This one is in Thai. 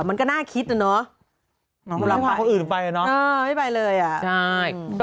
มันก็น่าคิดอะเนาะ